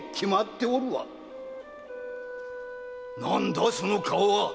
〔何だその顔は？